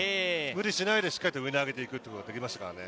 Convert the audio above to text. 無理しないで、しっかりと上に上げていくということができましたからね。